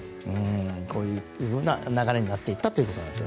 こういう流れになっていったということです。